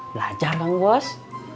belajar bang bos